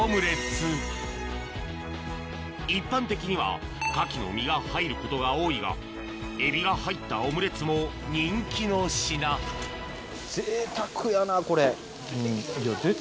一般的には牡蠣の身が入ることが多いがエビが入ったオムレツも人気の品これ。